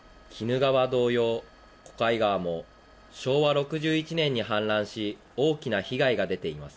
川同様、小貝川も昭和６１年に氾濫し大きな被害が出ています。